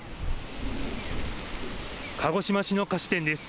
鹿児島市の菓子店です。